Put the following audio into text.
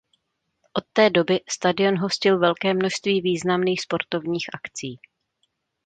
Od té doby stadion hostil velké množství významných sportovních akcí.